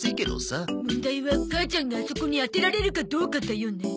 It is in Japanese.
問題は母ちゃんがあそこに当てられるかどうかだよね。